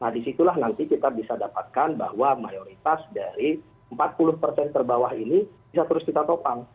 nah disitulah nanti kita bisa dapatkan bahwa mayoritas dari empat puluh persen terbawah ini bisa terus kita topang